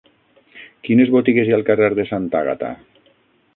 Quines botigues hi ha al carrer de Santa Àgata?